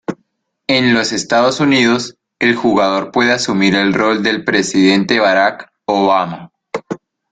En los Estados Unidos, el jugador puede asumir el rol del presidente Barack Obama.